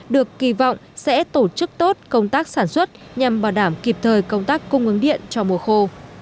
được kỳ vọng sẽ tổ chức tốt công tác sản xuất nhằm bảo đảm kịp thời công tác cung ứng điện cho mùa khô